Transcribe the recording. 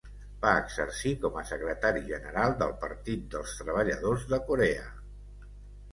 Va exercir com a secretari general del Partit dels Treballadors de Corea.